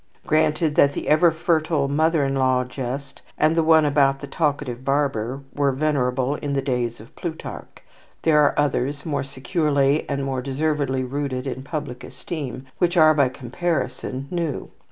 Granted that the ever fertile mother in law jest and the one about the talkative barber were venerable in the days of Plutarch; there are others more securely and more deservedly rooted in public esteem which are, by comparison, new.